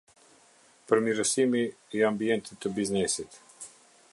Përmirësimi i ambientit të biznesit.